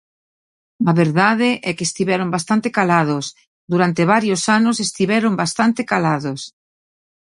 A verdade é que estiveron bastante calados, durante varios anos estiveron bastante calados.